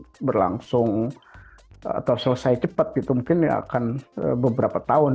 mungkin akan berlangsung atau selesai cepat gitu mungkin ya akan beberapa tahun